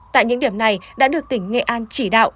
tại những điểm này đã được tỉnh nghệ an chỉ đạo